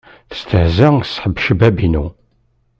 Testehza s ḥebb-cbab-inu.